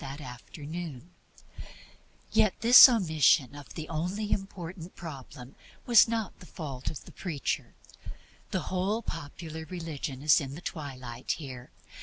Yet this omission of what is, after all, the only important problem, was not the fault of the preacher. The whole popular religion is in the twilight here.